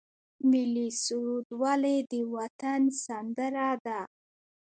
ملي سرود ولې د وطن سندره ده؟